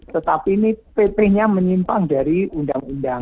tetapi ini pp nya menyimpang dari undang undang